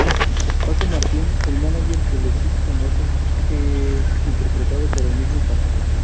Paco Martín, el mánager que les hizo famosos, es interpretado por el mismo Paco.